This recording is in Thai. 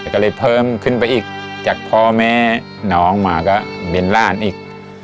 ก็เลยเพิ่มขึ้นไปอีกจากพ่อแม่น้องมาก็เบนล่านอีก